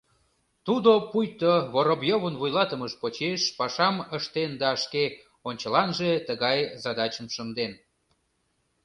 Тудо пуйто Воробьёвын вуйлатымыж почеш пашам ыштен да шке ончыланже тыгай задачым шынден: